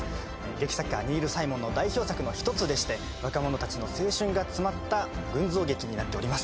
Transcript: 劇作家ニール・サイモンの代表作の一つでして若者たちの青春が詰まった群像劇になっております